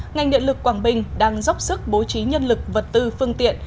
ngành điện lực quảng bình đang dốc sức bố trí nhân lực vật tư phương tiện